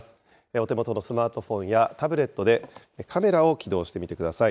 お手元のスマートフォンやタブレットで、カメラを起動してみてください。